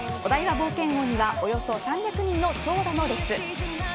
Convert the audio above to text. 冒険王にはおよそ３００人の長蛇の列。